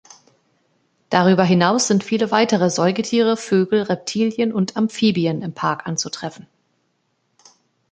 Darüber hinaus sind viele weitere Säugetiere, Vögel, Reptilien und Amphibien im Park anzutreffen.